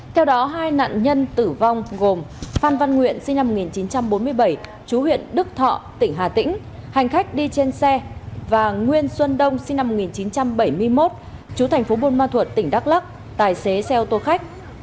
theo đó hai nạn nhân tử vong gồm phan văn nguyện sinh năm một nghìn chín trăm bốn mươi bảy chú huyện đức thọ tỉnh hà tĩnh hành khách đi trên xe và nguyên xuân đông sinh năm một nghìn chín trăm bảy mươi một chú thành phố buôn ma thuật tỉnh đắk lắc tài xế xe ô tô khách